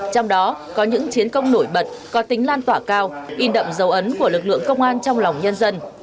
trong đó có những chiến công nổi bật có tính lan tỏa cao in đậm dấu ấn của lực lượng công an trong lòng nhân dân